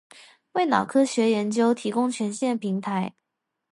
为脑科学研究提供全新的平台